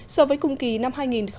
so với cùng kỳ năm